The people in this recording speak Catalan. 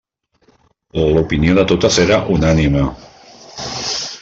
L'opinió de totes era unànime.